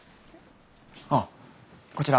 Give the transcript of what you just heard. あっこちら